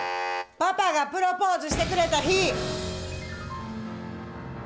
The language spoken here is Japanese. パパがプロポーズしてくれた日！